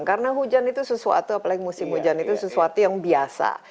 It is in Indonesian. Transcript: karena hujan itu sesuatu apalagi musim hujan itu sesuatu yang biasa